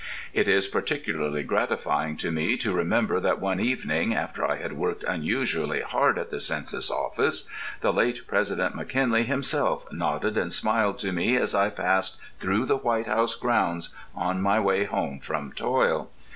It is particularly gratifying to me to remember that one evening, after I had worked unusually hard at the Census Office, the late President McKinley himself nodded and smiled to me as I passed through the White House grounds on my way home from toil.